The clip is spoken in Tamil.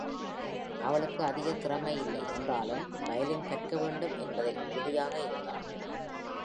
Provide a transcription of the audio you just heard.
அவளுக்கு அதிக திறமை இல்லை என்றாலும், வயலின் கற்க வேண்டும் என்பதில் உறுதியாக இருந்தாள்.